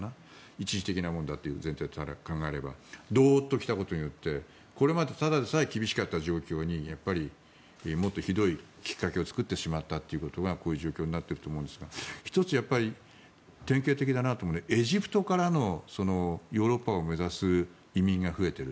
一時的なものだという前提から考えればどーっと来たことでこれまでただでさえ厳しかった状況にもっとひどいきっかけを作ってしまったということがこういう状況になっていると思うんですが１つ、典型的だなと思うのはエジプトからのヨーロッパを目指す移民が増えている。